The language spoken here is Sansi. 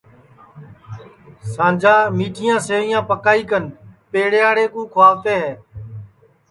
سانجا میٹھیاں سیویاں پکائی کن پیڑیاڑے کُو کُھؤتے ہیں